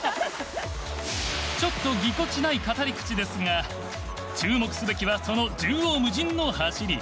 ちょっとぎこちない語り口ですが注目すべきはその縦横無尽の走り。